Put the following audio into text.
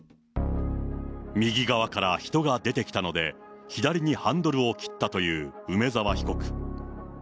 右側から人が出てきたので、左にハンドルを切ったという梅沢被告。